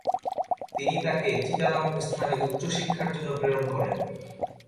তিনি তাকে চিতা নামক স্থানে উচ্চশিক্ষার জন্য প্রেরণ করেন।